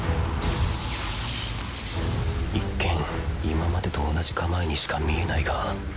一見今までと同じ構えにしか見えないが。